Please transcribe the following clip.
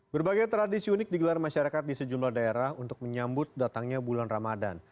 berbagai tradisi unik digelar masyarakat di sejumlah daerah untuk menyambut datangnya bulan ramadan